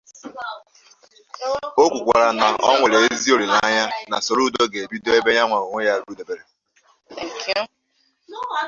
O kwukwara na o nwere ezi olileanya na Soludo ga-ebido ebe ya onwe ya rụdobere